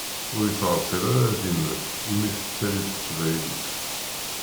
Ur ittɛeṭṭil ara ad immet i mi tettali teqbaylit.